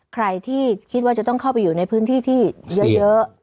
ใครที่คิดว่าจะต้องเข้าไปอยู่ในพื้นที่ที่เยอะ